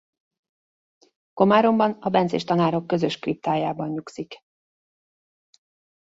Komáromban a bencés tanárok közös kriptájában nyugszik.